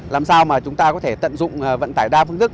làm sao mà chúng ta có thể tận dụng vận tải đa phương thức